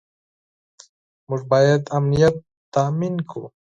موږ باید امنیت تامین کړو.